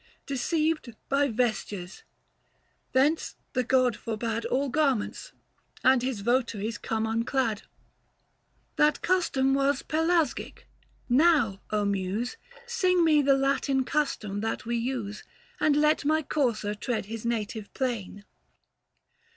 Deceived by vestures, thence the god forbad All garments, and his votaries come unclad ! 365 That custom was Pelasgic ; now, Muse, Sing me the Latin custom that we use : And let my courser tread his native plain.